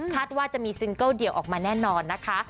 ว่าจะมีซิงเกิลเดี่ยวออกมาแน่นอนนะคะ